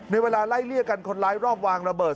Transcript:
เวลาไล่เลี่ยกันคนร้ายรอบวางระเบิด